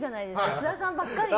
津田さんばっかり。